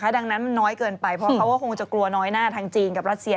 ดังนั้นมันน้อยเกินไปเพราะเขาก็คงจะกลัวน้อยหน้าทางจีนกับรัสเซีย